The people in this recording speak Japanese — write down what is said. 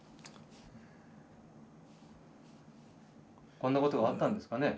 こんなことがあったんですかね。